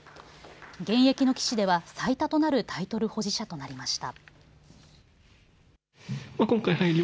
現役の棋士では最多となるタイトル保持者となりました。